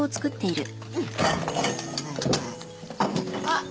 あっ。